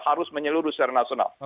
harus menyeluruh secara nasional